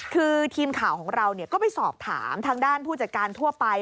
คือทีมข่าวของเราก็ไปสอบถามทางด้านผู้จัดการทั่วไป